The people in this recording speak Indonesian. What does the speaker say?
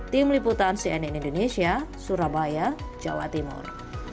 tim liputan cnn indonesia surabaya jawa timur